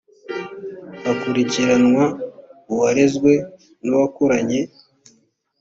hakurikiranwa uwarezwe n uwakoranye